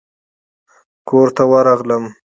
کورته ورغلم.